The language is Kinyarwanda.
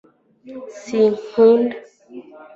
sinkunda